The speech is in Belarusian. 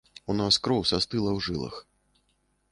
У нас кроў састыла ў жылах.